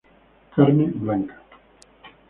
Carne: Blanca.